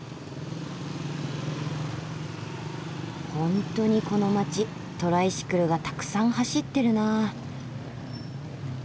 本当にこの街トライシクルがたくさん走ってるな。